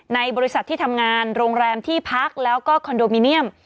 ในบริษัทที่ทำงานโรงแรมที่พักแล้วก็คอนโดมิเนียม